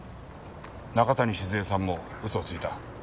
中谷静江さんも嘘をついた。